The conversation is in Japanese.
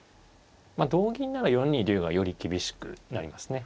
同銀なら４二竜がより厳しくなりますね。